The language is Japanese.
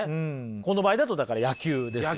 この場合だとだから野球ですよね。